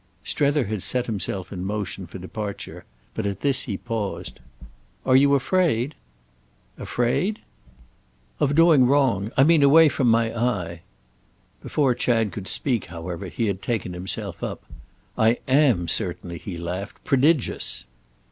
Strether had set himself in motion for departure, but at this he paused. "Are you afraid?" "Afraid—?" "Of doing wrong. I mean away from my eye." Before Chad could speak, however, he had taken himself up. "I am, certainly," he laughed, "prodigious."